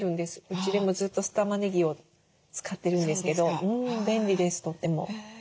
うちでもずっと酢たまねぎを使ってるんですけど便利ですとっても。